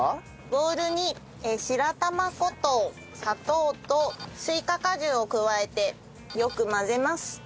ボウルに白玉粉と砂糖とスイカ果汁を加えてよく混ぜます。